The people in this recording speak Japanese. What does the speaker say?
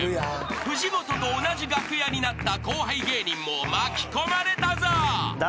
藤本と同じ楽屋になった後輩芸人も巻き込まれたぞ］